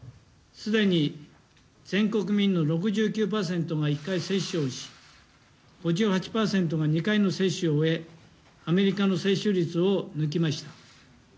既に全国民の６９％が１回接種をし５８％が２回の接種を終え、アメリカの接種率を抜きました。